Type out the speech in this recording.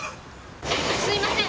すいません。